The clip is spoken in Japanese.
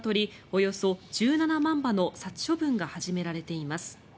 およそ１７万羽の殺処分が始められています。